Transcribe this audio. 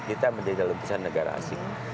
kita menjadi dalam kesan negara asing